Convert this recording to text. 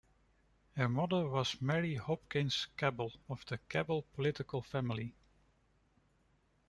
Her mother was Mary Hopkins Cabell, of the Cabell political family.